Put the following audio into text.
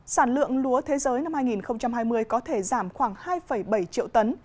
sản lượng lúa thế giới năm hai nghìn hai mươi có thể giảm khoảng hai bảy triệu tấn